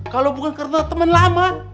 kalo bukan karena temen lama